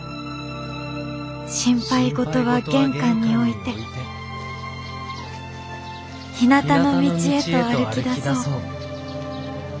「心配事は玄関に置いてひなたの道へと歩きだそう」。